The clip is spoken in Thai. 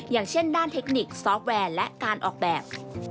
อย่างเช่นด้านเทคนิคซอฟต์แวร์และการออกแบบ